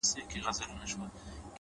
د گريوان ډورۍ ته دادی ځان ورسپاري ـ